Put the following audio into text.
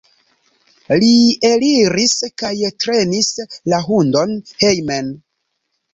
Li eliris kaj trenis la hundon hejmen.